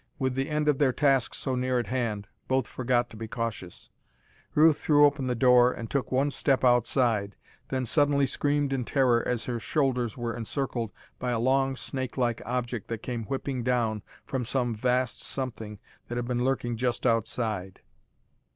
With the end of their task so near at hand, both forgot to be cautious. Ruth threw the door open and took one step outside, then suddenly screamed in terror as her shoulders were encircled by a long snake like object that came whipping down from some vast something that had been lurking just outside.